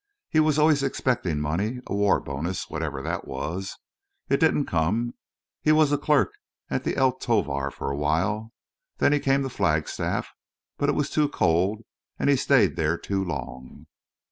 He was always expectin' money—a war bonus, whatever that was. It didn't come. He was a clerk at the El Tovar for a while. Then he came to Flagstaff. But it was too cold an' he stayed there too long."